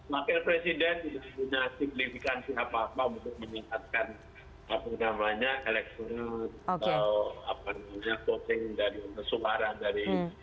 wakil presiden juga punya signifikan siapa apa untuk meningkatkan apa namanya elektronik atau suara dari